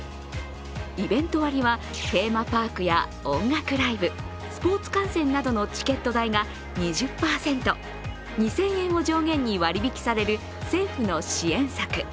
イベント割はテーマパークや音楽ライブ、スポーツ観戦などのチケット代が２０％、２０００円を上限に割り引きされる政府の支援策。